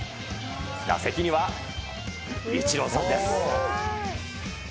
打席にはイチローさんです。